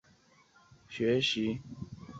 吕特克尔小时候在一个讲德语学校里学习。